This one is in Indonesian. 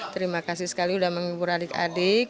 terima kasih sekali sudah menghibur adik adik